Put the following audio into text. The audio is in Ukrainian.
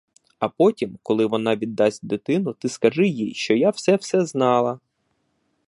А потім, коли вона віддасть дитину, ти скажи їй, що я все-все знала.